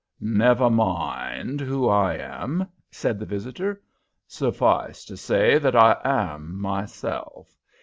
"Never mind who I am," said the visitor. "Suffice to say that I am myself.